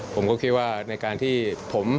ผมก็คิดว่าในการที่ผม